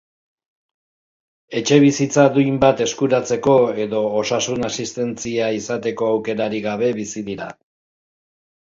Etxebizitza duin bat eskuratzeko edo osasun asistentzia izateko aukerarik gabe bizi dira.